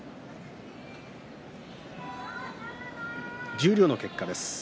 十両の結果です。